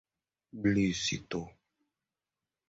lícito